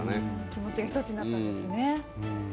気持ちが一つになったんですね。